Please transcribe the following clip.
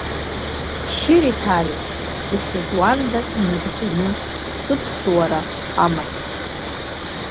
Шьыри-ҭали, исызуанда инагӡаны сыԥсуара амаҵ.